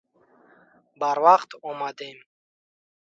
Барвақт омадем.